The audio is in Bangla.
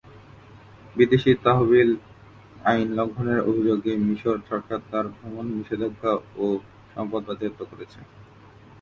বিদেশী তহবিল আইন লঙ্ঘনের অভিযোগে মিশর সরকার তার ভ্রমণ নিষেধাজ্ঞা ও সম্পদ বাজেয়াপ্ত করেছে।